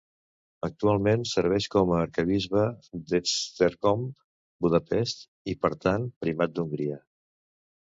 Actualment serveix com a Arquebisbe d'Esztergom-Budapest, i per tant, Primat d'Hongria.